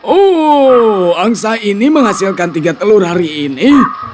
oh angsa ini menghasilkan tiga telur hari ini